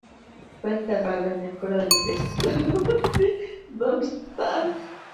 Fue enterrada en el coro de la iglesia ciudadana de Darmstadt.